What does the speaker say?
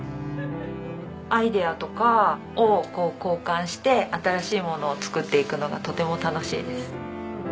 アイデアとかをこう交換して新しいものを作っていくのがとても楽しいです。